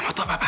mama tuan papa